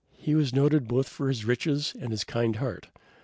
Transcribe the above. He was noted both for his riches and his kind heart.